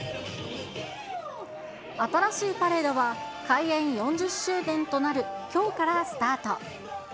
新しいパレードは、開園４０周年となるきょうからスタート。